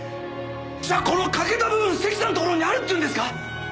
じゃあこの欠けた部分関さんのところにあるって言うんですか？